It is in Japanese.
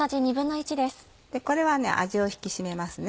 これは味を引き締めますね。